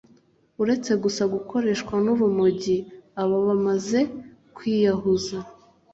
uretse gusa gukoreshwa n’urumogi aba amaze kwiyahuza